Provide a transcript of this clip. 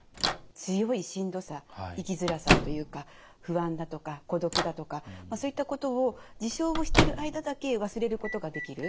強いしんどさ生きづらさというか不安だとか孤独だとかそういったことを自傷をしてる間だけ忘れることができる。